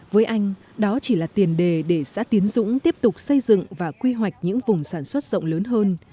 với anh đó chỉ là tiền đề để xã tiến dũng tiếp tục xây dựng và quy hoạch những vùng sản xuất rộng lớn hơn